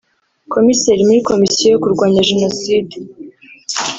Komiseri muri Komisiyo yo kurwanya jenoside